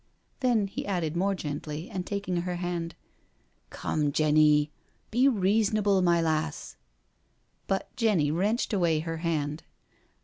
Then he added more gently, and taking her hand, Come, Jenny, be reason able, my lass." But Jenny wrenched away her hand.